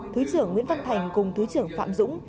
thứ trưởng nguyễn văn thành cùng thứ trưởng phạm dũng